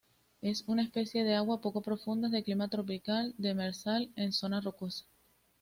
Es una especie de agua poco profundas, de clima tropical, demersal en zona rocosa.